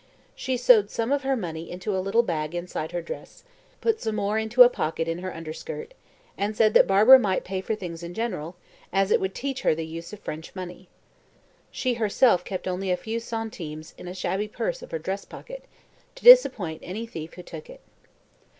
She sewed some of her money into a little bag inside her dress, put some more into a pocket in her underskirt, and said that Barbara might pay for things in general, as it would teach her the use of French money. She herself kept only a few centimes in a shabby purse in her dress pocket, "to disappoint any thief who took it."